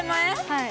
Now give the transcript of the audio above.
はい。